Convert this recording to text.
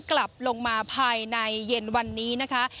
กลับลงมาภายในเย็นวันนี้นะคะ